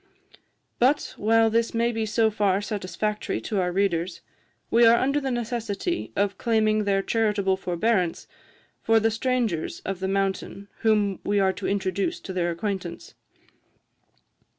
"But, while this may be so far satisfactory to our readers, we are under the necessity of claiming their charitable forbearance for the strangers of the mountain whom we are to introduce to their acquaintance.